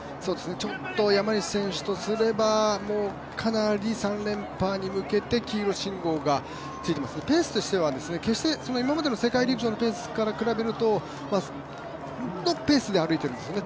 山西選手とすれば、かなり３連覇に向けて黄色信号がついていますが、ペースとしては決して今までの世界陸上のペースで歩いてるんですね